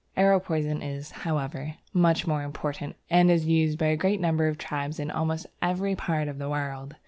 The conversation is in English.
Arrow poison is, however, much more important, and is used by a great number of tribes in almost every part of the world.